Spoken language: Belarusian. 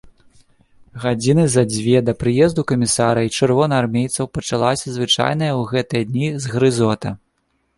Гадзіны за дзве да прыезду камісара і чырвонаармейцаў пачалася звычайная ў гэтыя дні згрызота.